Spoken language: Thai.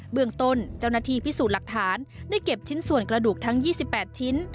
เมืองต้นเจ้าหน้าที่พิสูจน์หลักฐานได้เก็บชิ้นส่วนกระดูกทั้ง๒๘ชิ้น